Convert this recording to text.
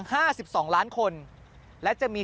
กลับวันนั้นไม่เอาหน่อย